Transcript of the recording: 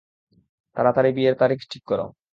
তাড়াতাড়ি বিয়ের তারিখ ঠিক কর।